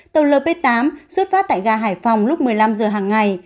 tàu lp tám xuất phát tại ga hải phòng lúc một mươi năm h hằng ngày